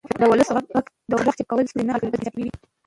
د ولس غږ چوپ کول ستونزې نه حل کوي بلکې زیاتوي